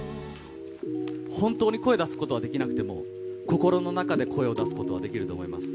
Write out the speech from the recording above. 本当に声出すことはできなくても、心の中で声を出すことはできると思います。